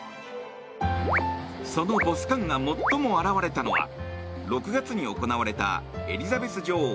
そのボス感が最も表れたのは６月に行われたエリザベス女王